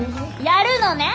やるのね？